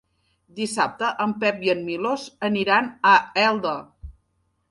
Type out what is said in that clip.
Dissabte en Pep i en Milos aniran a Elda.